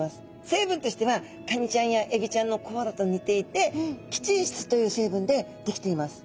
成分としてはカニちゃんやエビちゃんのこうらと似ていてキチン質という成分でできています。